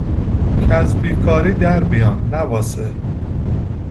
که از بیکاری در بیان نه واسه